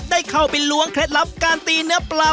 ได้เข้าไปล้วงเคล็ดลับการตีเนื้อปลา